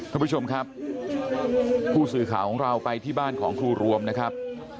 คุณผู้ชมครับผู้สื่อข่าวของเราไปที่บ้านของครูรวมนะครับ